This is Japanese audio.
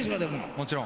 もちろん。